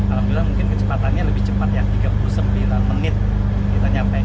alhamdulillah mungkin kecepatannya lebih cepat ya tiga puluh sembilan menit kita nyampe